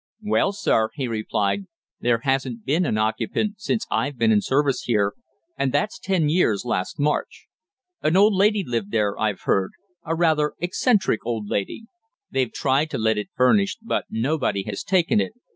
"Well, sir," he replied, "there hasn't been an occupant since I've been in service here, and that's ten years last March. An old lady lived there, I've heard a rather eccentric old lady. They've tried to let it furnished, but nobody has taken it.